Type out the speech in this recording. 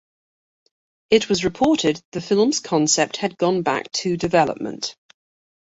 It was reported the film's concept has gone back to development.